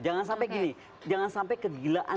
jangan sampai gini jangan sampai kegilaan